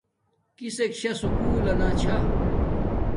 کسک شاہ سکُولک چھا